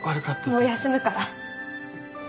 もう休むから。